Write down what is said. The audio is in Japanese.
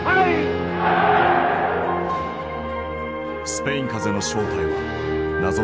スペイン風邪の正体は謎だった。